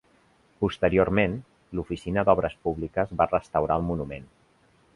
Posteriorment, l'Oficina d'Obres Públiques va restaurar el monument.